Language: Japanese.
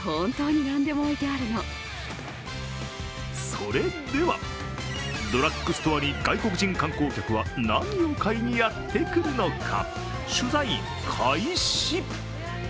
それではドラッグストアに外国人観光客は何を買いにやってくるのか、取材開始。